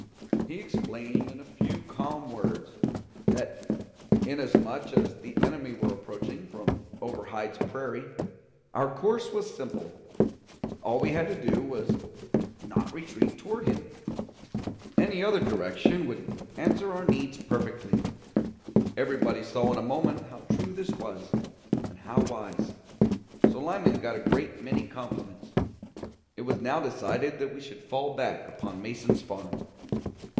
He explained in a few calm words, that inasmuch as the enemy were approaching from over Hyde's prairie, our course was simple: all we had to do was not to retreat toward him; any other direction would answer our needs perfectly. Everybody saw in a moment how true this was, and how wise; so Lyman got a great many compliments. It was now decided that we should fall back upon Mason's farm.